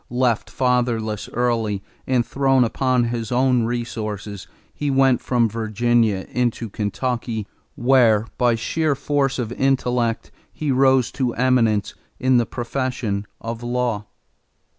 Left fatherless early and thrown upon his own resources, he went from Virginia into Kentucky where by sheer force of intellect he rose to eminence in the profession of law.